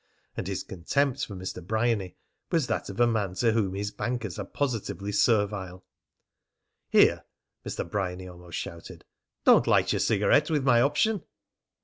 And his contempt for Mr. Bryany was that of a man to whom his bankers are positively servile. "Here," Mr. Bryany almost shouted, "don't light your cigarette with my option!"